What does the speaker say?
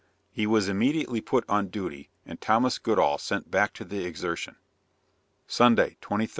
He was immediately put on duty and Thomas Goodall sent back to the Exertion. Sunday, 23d.